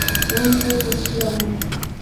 এমন ভয় করছিল আমার!